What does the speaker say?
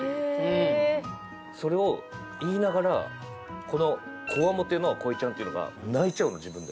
それを言いながらこの強面の恋ちゃんっていうのが泣いちゃうの自分で。